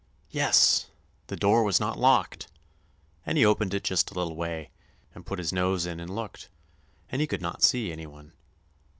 Yes! the door was not locked, and he opened it just a little way, and put his nose in and looked, and he could not see any one.